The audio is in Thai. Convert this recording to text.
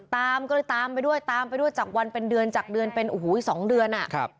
ตามก็ตามไปด้วยตามไปด้วยจากวันเป็นเดือนจากเดือนเป็น๒เดือน